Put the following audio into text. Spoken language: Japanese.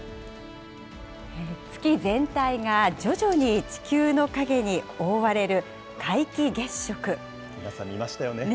月全体が徐々に地球の影に覆われる、皆さん、見ましたよね。